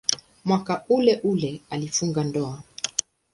Mwaka uleule alifunga ndoa.